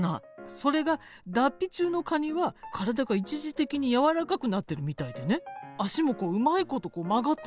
それが脱皮中のカニは体が一時的にやわらかくなってるみたいでね脚もこううまいこと曲がってね